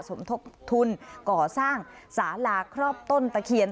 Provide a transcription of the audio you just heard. สมทบทุนก่อสร้างสาลาครอบต้นตะเคียน